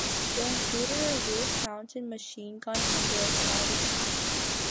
It included a roof-mounted machine gun under a sliding hatch.